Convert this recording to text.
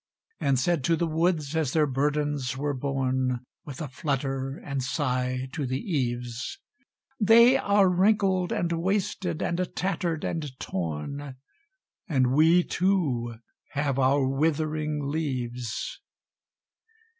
And said to the woods, as their burdens were borne With a flutter and sigh to the eaves, "They are wrinkled and wasted, and tattered and torn, And we too have our withering leaves."